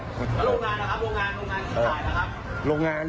โรงงานนะครับโรงงานที่ถ่ายนะครับ